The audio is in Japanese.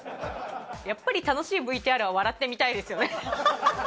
やっぱり楽しいＶＴＲは笑って見たいですよね。